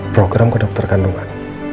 program kedokter kandungan